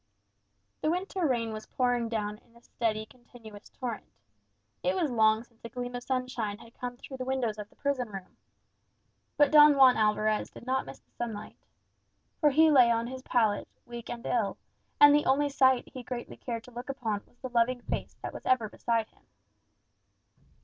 The winter rain was pouring down in a steady continuous torrent It was long since a gleam of sunshine had come through the windows of the prison room. But Don Juan Alvarez did not miss the sunlight. For he lay on his pallet, weak and ill, and the only sight he greatly cared to look upon was the loving face that was ever beside him.